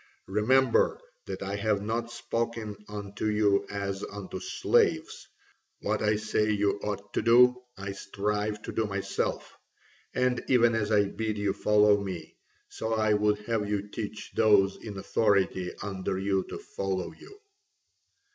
Remember that I have not spoken unto you as unto slaves: what I say you ought to do I strive to do myself. And even as I bid you follow me, so I would have you teach those in authority under you to follow you."